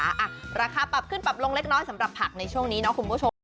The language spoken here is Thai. ราคาปรับขึ้นปรับลงเล็กน้อยสำหรับผักในช่วงนี้เนาะคุณผู้ชม